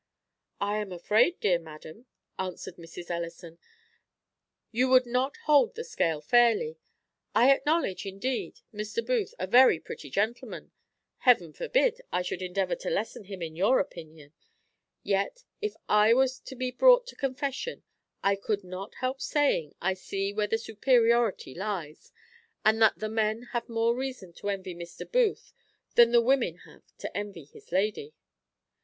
"I am afraid, dear madam," answered Mrs. Ellison, "you would not hold the scale fairly. I acknowledge, indeed, Mr. Booth is a very pretty gentleman; Heaven forbid I should endeavour to lessen him in your opinion; yet, if I was to be brought to confession, I could not help saying I see where the superiority lies, and that the men have more reason to envy Mr. Booth than the women have to envy his lady."